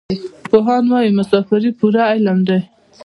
پوهان وايي مسافري پوره علم دی.